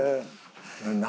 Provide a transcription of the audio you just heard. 何？